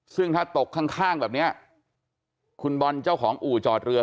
ซึ่งถ้าตกข้างแบบนี้คุณบอลเจ้าของอู่จอดเรือ